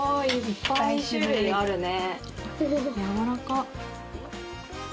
いっぱい種類あるね。